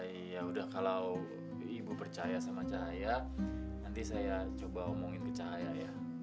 iya udah kalau ibu percaya sama cahaya nanti saya coba omongin ke cahaya ya